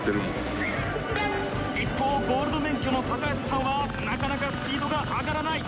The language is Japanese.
一方ゴールド免許の高橋さんはなかなかスピードが上がらない。